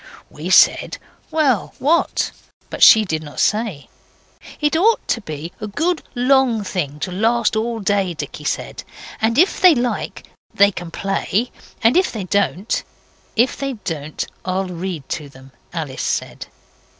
We said, well what? But she did not say. 'It ought to be a good long thing to last all day,' Dicky said, 'and if they like they can play, and if they don't ' 'If they don't, I'll read to them,' Alice said.